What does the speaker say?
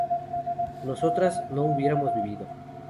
nosotras no hubiéramos vivido